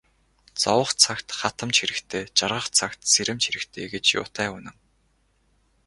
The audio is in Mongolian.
Зовох цагт хатамж хэрэгтэй, жаргах цагт сэрэмж хэрэгтэй гэж юутай үнэн.